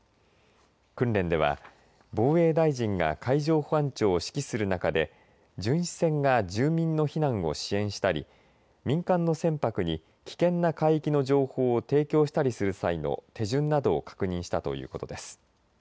訓練では防衛大臣が海上保安庁を指揮する中で巡視船が住民の避難を支援したり民間の船舶に危険な海域の情報を提供したりする際の手順などを確認したということです。